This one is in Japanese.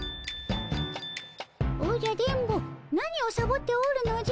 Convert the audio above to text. おじゃ電ボ何をサボっておるのじゃ。